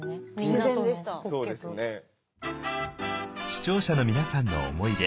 視聴者の皆さんの思い出。